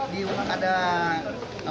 di rumah ada